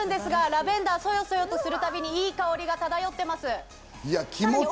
ラベンダー、そよそよするたびにいい香りが漂っています。